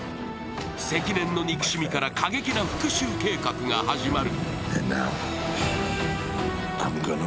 積年の憎しみから過激な復しゅう計画が始まる。